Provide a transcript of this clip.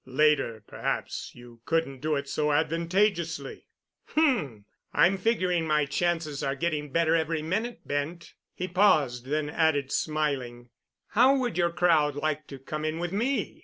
Later perhaps you couldn't do it so advantageously." "H—m! I'm figuring my chances are getting better every minute, Bent." He paused and then added, smiling, "How would your crowd like to come in with me?